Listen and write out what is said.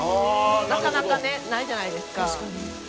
「なかなかねないじゃないですか」